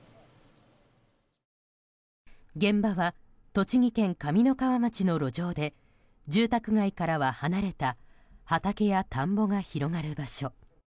現場は、栃木県上三川町の路上で住宅街からは離れた畑や田んぼが広がる場所。